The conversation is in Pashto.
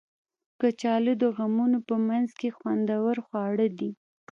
کچالو د غمونو په منځ کې خوندور خواړه دي